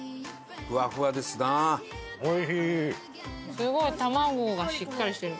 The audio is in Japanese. すごい卵がしっかりしてる。